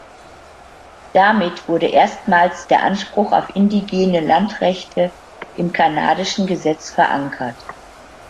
Damit wurde erstmals der Anspruch auf indigene Landrechte im kanadischen Gesetz verankert.